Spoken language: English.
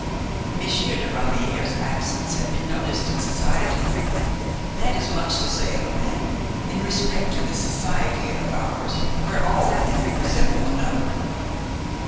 Monsieur de Ramière's absence had been noticed in society; that is much to say of a man, in respect to this society of ours where all men resemble another.